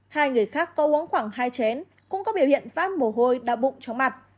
hai người khác có uống khoảng hai chén cũng có biểu hiện phát mồ hôi đau bụng chóng mặt